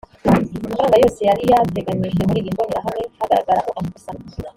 amafaranga yose yariyateganijwe muri iyi mbonerahamwe hagaragaramo amakosa